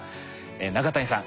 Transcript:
永谷さん